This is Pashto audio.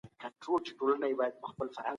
لوستې مور د صحي ؛خوړو پخلی زده کوي.